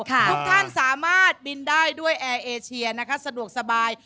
ทุกท่านสามารถบินได้ด้วยแอร์เอเชียนะคะสะดวกสบาย